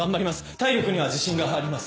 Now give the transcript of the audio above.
体力には自信があります！